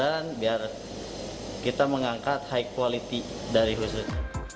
dan biar kita mengangkat high quality dari khusus